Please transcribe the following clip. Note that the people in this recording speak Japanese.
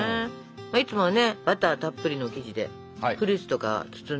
いつもはねバターたっぷりの生地でフルーツとか包んで焼くもんね。